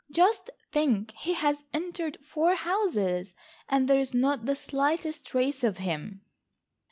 Just think, he has entered four houses and there is not the slightest trace of him."